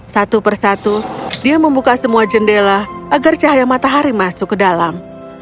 satu persatu dia membuka semua jendela agar cahaya matahari masuk ke dalam